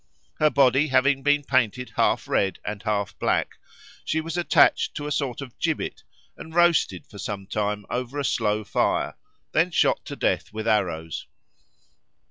Her body having been painted half red and half black, she was attached to a sort of gibbet and roasted for some time over a slow fire, then shot to death with arrows.